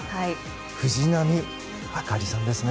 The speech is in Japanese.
藤波朱理さんですね。